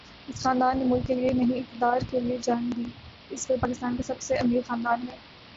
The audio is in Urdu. اس خاندان نے ملک کے لیے نہیں اقتدار کے لیے جان دی اس وقت پاکستان کا سب سے امیر خاندان ہے